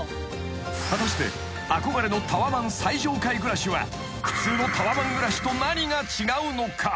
［果たして憧れのタワマン最上階暮らしは普通のタワマン暮らしと何が違うのか？］